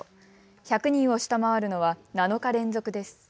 １００人を下回るのは７日連続です。